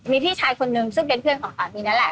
มีพี่ชายคนนึงซึ่งเป็นเพื่อนของสามีนั่นแหละ